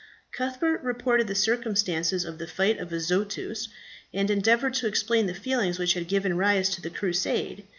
Cuthbert reported the circumstances of the fight at Azotus and endeavoured to explain the feelings which had given rise to the Crusade.